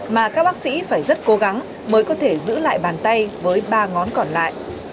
mà các bác sĩ phải rất cố gắng mới có thể giữ lại bàn tay với ba ngón còn lại